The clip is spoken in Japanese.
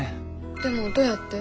でもどうやって？